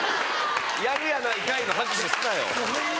やるやないかいの拍手すなよ。